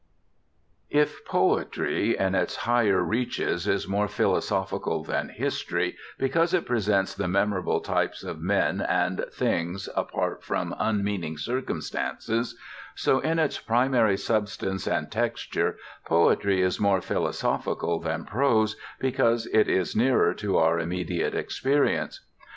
If poetry in its higher reaches is more philosophical than history, because it presents the memorable types of men and things apart from unmeaning circumstances, so in its primary substance and texture poetry is more philosophical than prose because it is nearer to our immediate experience.